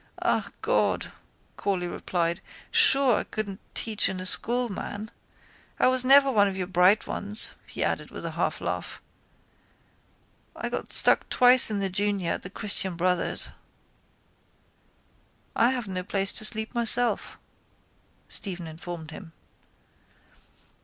—Ah, God, Corley replied, sure I couldn't teach in a school, man. I was never one of your bright ones, he added with a half laugh. I got stuck twice in the junior at the christian brothers. —I have no place to sleep myself, Stephen informed him.